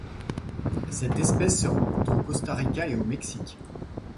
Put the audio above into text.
Cette espèce se rencontre au Costa Rica et au Mexique.